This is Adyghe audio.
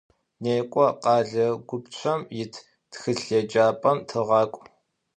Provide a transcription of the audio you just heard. НекӀо, къэлэ гупчэм ит тхылъеджапӏэм тыгъакӀу.